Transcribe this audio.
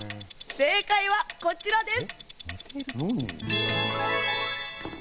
正解はこちらです。